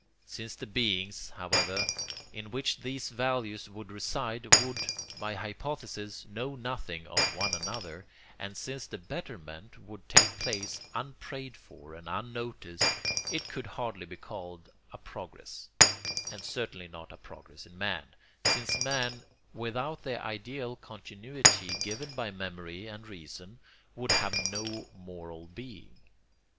Since the beings, however, in which these values would reside, would, by hypothesis, know nothing of one another, and since the betterment would take place unprayed for and unnoticed, it could hardly be called a progress; and certainly not a progress in man, since man, without the ideal continuity given by memory and reason, would have no moral being.